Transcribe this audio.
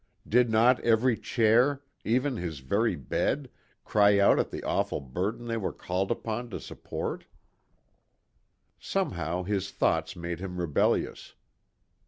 Did not every chair, even his very bed, cry out at the awful burden they were called upon to support? Somehow his thoughts made him rebellious.